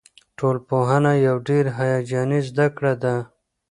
ټولنپوهنه یوه ډېره هیجاني زده کړه ده.